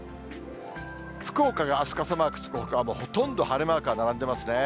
福岡があす傘マークつくほかは、ほとんど晴れマークが並んでいますね。